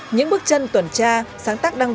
những bước chân tuần tra sáng tác đăng ký